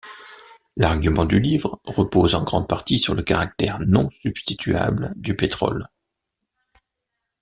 L'argument du livre repose en grande partie sur le caractère non substituable du pétrole.